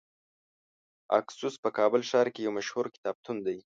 اکسوس په کابل ښار کې یو مشهور کتابتون دی .